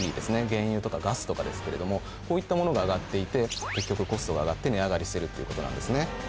原油とかガスとかですけれどもこういったモノが上がっていて結局コストが上がって値上がりしてるっていうことなんですね。